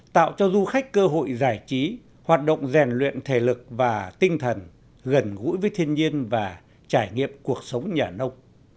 tạo cho du khách cơ hội giải trí hoạt động rèn luyện thể lực và tinh thần gần gũi với thiên nhiên và trải nghiệm cuộc sống nhà nông